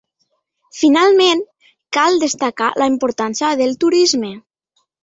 Finalment, cal destacar la importància del turisme.